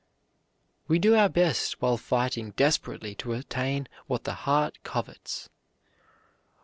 We do our best while fighting desperately to attain what the heart covets.